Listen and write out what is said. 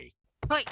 はい。